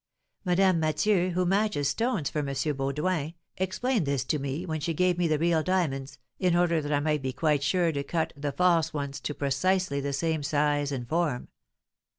Madame Mathieu, who matches stones for M. Baudoin, explained this to me, when she gave me the real diamonds, in order that I might be quite sure to cut the false ones to precisely the same size and form.